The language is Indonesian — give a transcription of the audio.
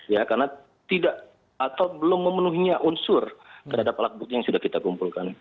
ya karena tidak atau belum memenuhinya unsur terhadap alat bukti yang sudah kita kumpulkan